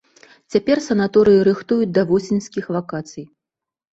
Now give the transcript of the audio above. Цяпер санаторыі рыхтуюць да восеньскіх вакацый.